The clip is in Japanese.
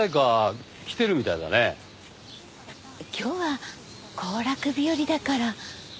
今日は行楽日和だから。